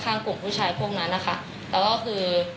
ไม่ใช่คนอื่น